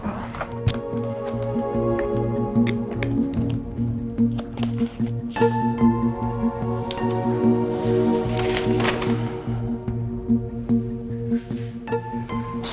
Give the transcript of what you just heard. saya bawa surat dokternya